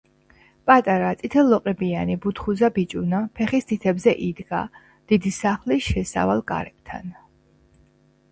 პატარა, წითელლოყებიანი, ბუთხუზა ბიჭუნა ფეხის თითებზე იდგა დიდი სახლის შესავალ კარებთან.